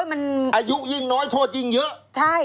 มันอายุยิ่งน้อยโทษยิ่งเยอะ